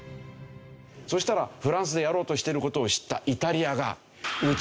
そしたらフランスでやろうとしてる事を知ったイタリアが「うちも入れろ！」